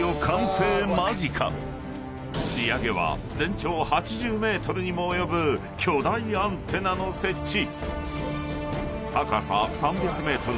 ［仕上げは全長８０ｍにも及ぶ巨大アンテナの設置］